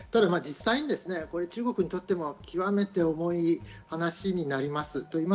実際に中国にとっても極めて重い話になります。